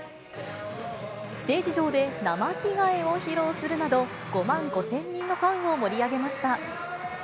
ステージ上で生着替えを披露するなど、５万５０００人のファンを盛り上げました。